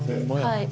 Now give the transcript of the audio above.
はい。